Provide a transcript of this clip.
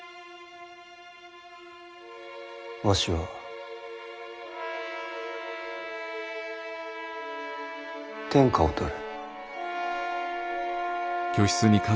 わしは天下を取る。